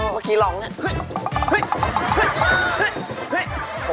เมื่อกี้ลองเนี่ยเห้ย